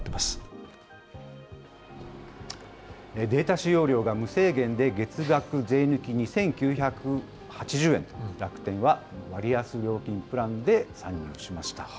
データ使用量が無制限で、月額税抜き２９８０円と、楽天は割安料金プランで参入しました。